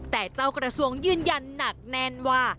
แต่เจ้ากระทรวงยืนยันหนักแน่นว่า